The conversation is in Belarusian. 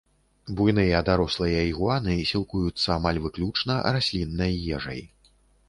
Буйныя дарослыя ігуаны сілкуюцца амаль выключна расліннай ежай.